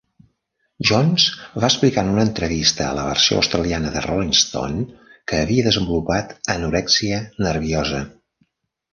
Johns va explicar en una entrevista a la versió australiana de "Rolling Stone" que havia desenvolupat anorèxia nerviosa.